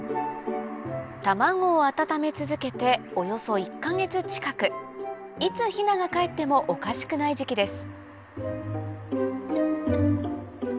卵を温め続けておよそ１か月近くいつヒナがかえってもおかしくない時期です